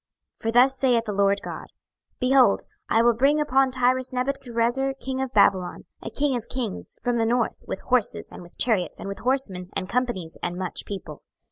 26:026:007 For thus saith the Lord GOD; Behold, I will bring upon Tyrus Nebuchadrezzar king of Babylon, a king of kings, from the north, with horses, and with chariots, and with horsemen, and companies, and much people.